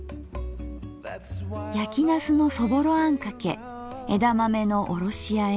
やきなすのそぼろあんかけ枝豆のおろしあえ